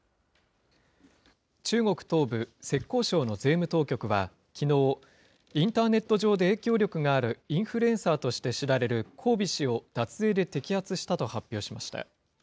中国東部、浙江省の税務当局はきのう、インターネット上で影響力があるインフルエンサーとして知られる黄薇氏を脱税で摘発したと発表しました。